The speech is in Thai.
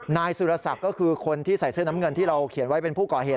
นายสุรศักดิ์ก็คือคนที่ใส่เสื้อน้ำเงินที่เราเขียนไว้เป็นผู้ก่อเหตุ